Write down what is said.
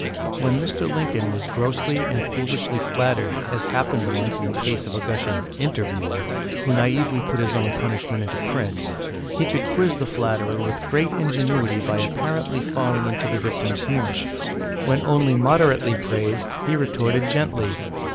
When Mr. Lincoln was grossly and foolishly flattered, as happened once in the case of a gushing "interviewer," who naïvely put his own punishment into print, he could quiz the flatterer with great ingenuity by apparently falling into the victim's humour. When only moderately praised, he retorted gently.